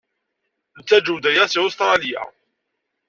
Nettaǧew-d aya seg Ustṛalya.